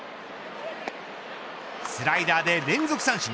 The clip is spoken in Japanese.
スライダーで連続三振。